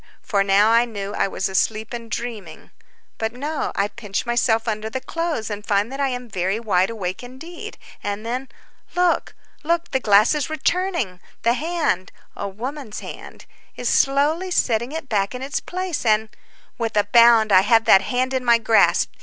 For now I knew I was asleep and dreaming. But no, I pinch myself under the clothes, and find that I am very wide awake indeed; and then—look! look! the glass is returning; the hand—a woman's hand—is slowly setting it back in its place, and— With a bound I have that hand in my grasp.